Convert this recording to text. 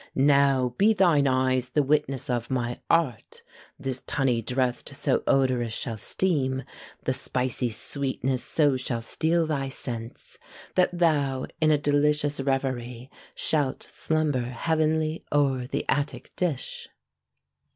"Now be thine eyes the witness of my art! This tunny drest, so odorous shall steam, The spicy sweetness so shall steal thy sense, That thou in a delicious reverie Shalt slumber heavenly o'er the Attic dish!"